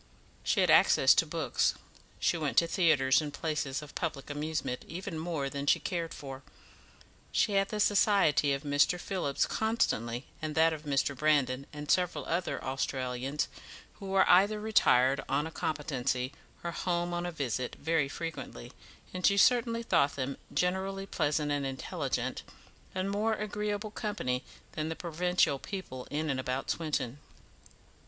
She had access to books; she went to theatres and places of public amusement even more than she cared for; she had the society of Mr. Phillips constantly, and that of Mr. Brandon and several other Australians, who were either retired on a competency or home on a visit, very frequently, and she certainly thought them generally pleasant and intelligent, and more agreeable company than the provincial people in and about Swinton.